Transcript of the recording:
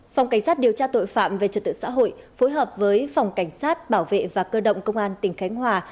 phòng cảnh sát điều tra tội phạm về trật tự xã hội phối hợp với phòng cảnh sát bảo vệ và cơ động công an tỉnh khánh hòa